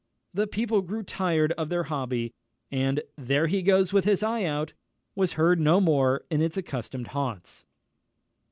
The people grew tired of their hobby, and "There he goes with his eye out!" was heard no more in its accustomed haunts.